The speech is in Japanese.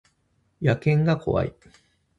野犬が怖い